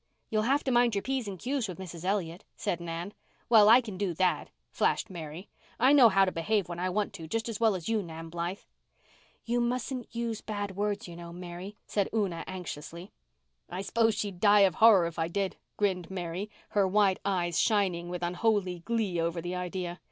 "You'll have to mind your p's and q's with Mrs. Elliott," said Nan. "Well, I can do that," flashed Mary. "I know how to behave when I want to just as well as you, Nan Blythe." "You mustn't use bad words, you know, Mary," said Una anxiously. "I s'pose she'd die of horror if I did," grinned Mary, her white eyes shining with unholy glee over the idea.